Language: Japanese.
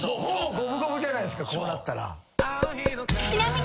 ほぼ五分五分じゃないですかこうなったら。